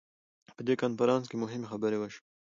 په دې کنفرانس کې مهمې خبرې وشوې.